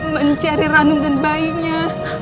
mencari ranungan bayinya